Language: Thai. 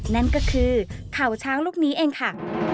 นั่นก็คือเข่าช้างลูกนี้เองค่ะ